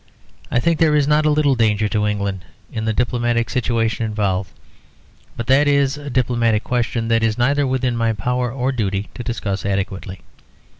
I think there is not a little danger to England in the diplomatic situation involved; but that is a diplomatic question that it is neither within my power or duty to discuss adequately.